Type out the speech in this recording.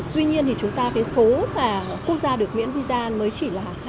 tuy nhiên thì chúng ta cái số quốc gia được miễn visa mới chỉ là